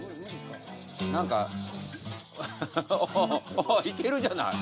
おおいけるじゃない。